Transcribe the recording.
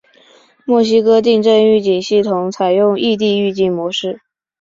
墨西哥地震预警系统采用异地预警模式。